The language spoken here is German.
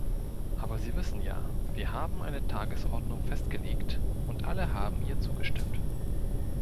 Aber Sie wissen ja, wir haben eine Tagesordnung festgelegt, und alle haben ihr zugestimmt.